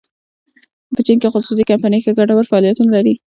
په چین کې خصوصي کمپنۍ ښه ګټور فعالیتونه لري.